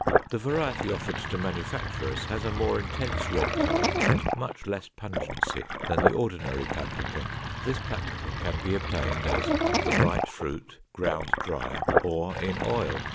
The variety offered to manufacturers has a more intense red color and much less pungency than the ordinary paprika. This paprika can be obtained as the bright fruit, ground dry, or in oil.